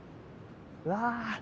うわ。